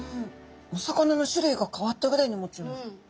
お魚の種類が変わったぐらいに思っちゃいました。